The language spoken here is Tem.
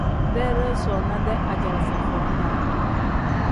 Deedee soona-dee ajalaaza foo -daa.